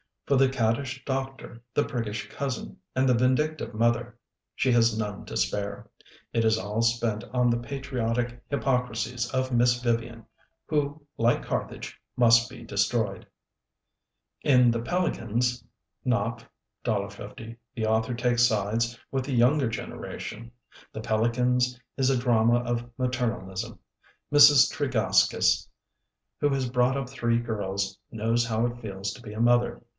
For the caddish doctor, the priggish cousin, and the vindictive mother, she has none to spare. It is all spent on the patriotic hypocrisies of Miss Vivian, who, like Carthage, must be destroyed. In The Pelicans (Knopf; $1.50) the author takes sides with the younger generation. The Pelicans is a drama of maternalism. Mrs. Tregaskis, who has brought up three girls, knows how it feels to be a mother.